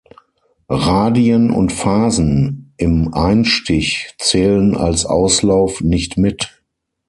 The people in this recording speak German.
Radien und Fasen im Einstich zählen als Auslauf nicht mit.